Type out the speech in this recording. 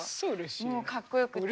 もうかっこよくて。